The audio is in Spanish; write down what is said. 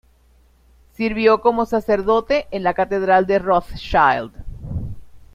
Sirvió como sacerdote en la catedral de Rothschild.